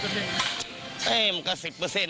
มันถึง๑ใน๑๐๐นะแล้วให้กี่เปอร์เซ็นต์